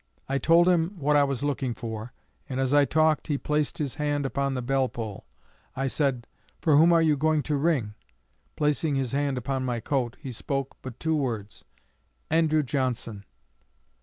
I told him what I was looking for, and as I talked he placed his hand upon the bell pull. I said: 'For whom are you going to ring?' Placing his hand upon my coat, he spoke but two words: 'Andrew Johnson.'